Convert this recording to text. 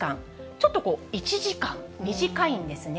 ちょっとこう、１時間短いんですね。